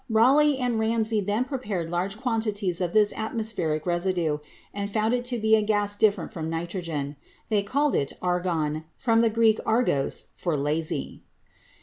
Rayleigh and Ramsay then prepared large quantities of this atmospheric residue and found it to be a gas different from nitrogen. They called it 'argon' from the Greek 'argos,' lazy.